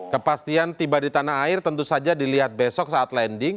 kepastian tiba di tanah air tentu saja dilihat besok saat landing